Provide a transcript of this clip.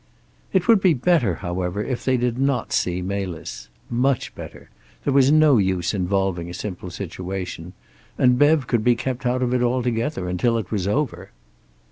It would be better, however, if they did not see Melis. Much better; there was no use involving a simple situation. And Bev could be kept out of it altogether, until it was over.